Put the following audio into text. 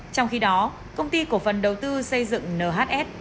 trong khi đó công ty cổ phần đầu tư xây dựng nhs